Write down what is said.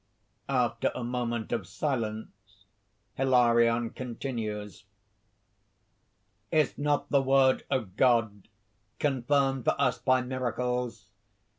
_ After a moment of silence Hilarion continues: ) "Is not the word of God confirmed for us by miracles?